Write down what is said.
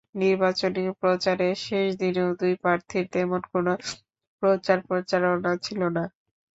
নির্বাচনী প্রচারের শেষ দিনেও দুই প্রার্থীর তেমন কোনো প্রচার-প্রচারণা ছিল না।